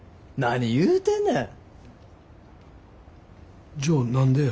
何言うてんねん。